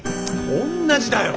おんなじだよ。